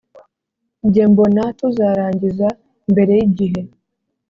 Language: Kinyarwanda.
jye mbona tuzarangiza mbere yigihe